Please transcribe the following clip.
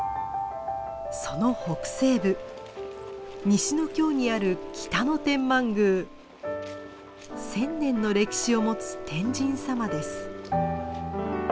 その北西部西ノ京にある１，０００年の歴史を持つ天神様です。